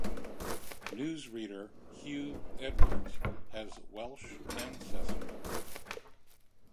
Newsreader Huw Edwards has Welsh ancestry.